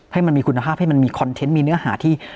ให้มันมีคุณภาพให้มันมีคอนเทนต์มีเนื้อหาที่